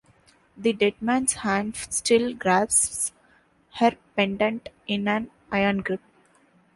The dead man's hand still grasps her pendant in an iron grip!